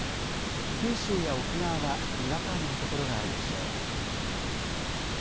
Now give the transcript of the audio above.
九州や沖縄はにわか雨の所があるでしょう。